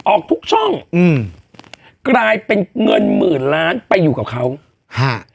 ออกทุกช่องอืมกลายเป็นเงินหมื่นล้านไปอยู่กับเขาฮะ